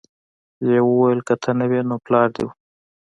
لیوه وویل که ته نه وې نو پلار دې و.